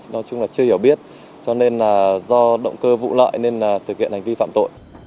nói chung là chưa hiểu biết cho nên là do động cơ vụ lợi nên thực hiện hành vi phạm tội